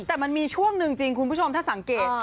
แต่มันมีช่วงหนึ่งจริงคุณผู้ชมถ้าสังเกต